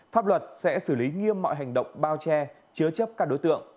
pháp luật sẽ xử lý nghiêm mọi hành động bao che chứa trị